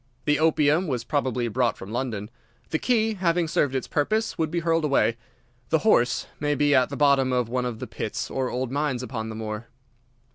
The opium was probably brought from London. The key, having served its purpose, would be hurled away. The horse may be at the bottom of one of the pits or old mines upon the moor."